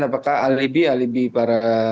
apakah alibi alibi para